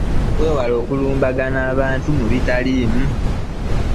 Weewale okulumbagana abantu mu bitaliimu.